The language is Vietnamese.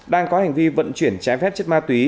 đang có hành vi vận chuyển trái phép chất ma túy